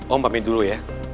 om pamit dulu ya